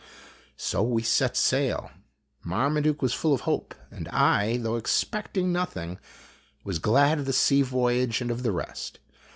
So we set sail. Marmaduke was full of hope, and I, though expecting nothing, was glad of the sea voyage and of the rest.